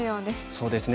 そうですね。